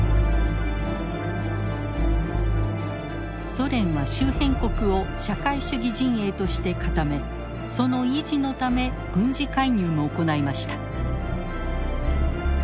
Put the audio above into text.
ソ連は周辺国を社会主義陣営として固めその維持のため軍事介入も行いました。